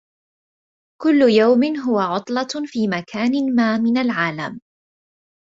كل يوم هو عطلة في مكان ما من العالم.